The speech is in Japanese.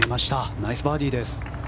ナイスバーディーです。